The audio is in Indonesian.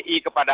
oke apa itu